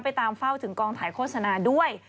ตามเฝ้าถึงกองถ่ายโฆษณาด้วย